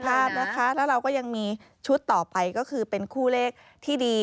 พลาดนะคะแล้วเราก็ยังมีชุดต่อไปก็คือเป็นคู่เลขที่ดี